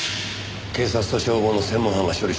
警察と消防の専門班が処理しています。